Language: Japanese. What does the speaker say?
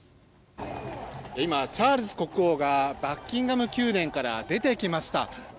今、チャールズ国王がバッキンガム宮殿から出てきました。